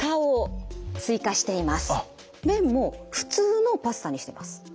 麺もふつうのパスタにしています。